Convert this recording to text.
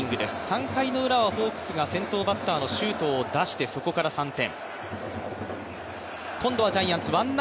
３回のウラはホークスが先頭バッターの周東を出して、そこから３点。